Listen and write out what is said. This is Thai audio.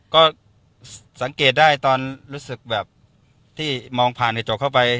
ก็สังเกตได้ตอนรู้สึกแบบที่มองผ่านในเจาะเข้าไป